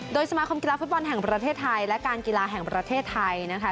โดยสมาคมกีฬาฟุตบอลแห่งประเทศไทยและการกีฬาแห่งประเทศไทยนะคะ